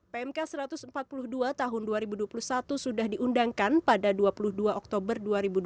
pmk satu ratus empat puluh dua tahun dua ribu dua puluh satu sudah diundangkan pada dua puluh dua oktober dua ribu dua puluh